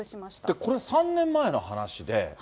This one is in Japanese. これ、３年前の話で。